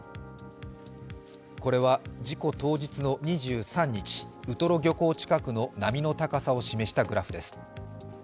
これは事故当日の２３日、ウトロ漁港近くの波の高さを示したグラフです。